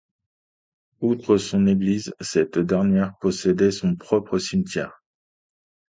Outre son église, cette dernière possédait son propre cimetière.